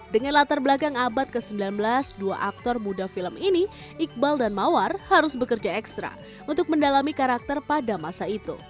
dengan latar belakang abad ke sembilan belas dua aktor muda film ini iqbal dan mawar harus bekerja ekstra untuk mendalami karakter pada masa itu